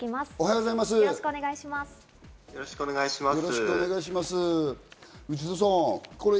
よろしくお願いします。